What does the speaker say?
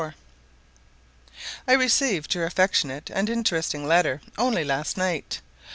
I RECEIVED your affectionate and interesting letter only last night.